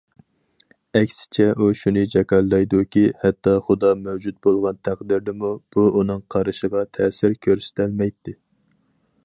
ئەكسىچە ئۇ شۇنى جاكارلايدۇكى، ھەتتا خۇدا مەۋجۇت بولغان تەقدىردىمۇ، بۇ ئۇنىڭ قارىشىغا تەسىر كۆرسىتەلمەيتتى.